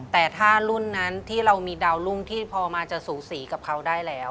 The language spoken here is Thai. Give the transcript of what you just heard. แต่ถ้ารุ่นนั้นที่เรามีดาวรุ่งที่พอมาจะสูสีกับเขาได้แล้ว